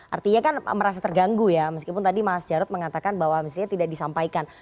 artinya kan merasa terganggu ya meskipun tadi mas jarod mengatakan bahwa misalnya tidak disampaikan